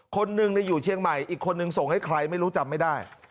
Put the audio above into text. คนหนึ่งอยู่เชียงใหม่อีกคนนึงส่งให้ใครไม่รู้จำไม่ได้